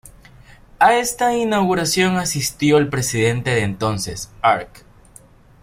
A esta inauguración asistió el presidente de entonces, arq.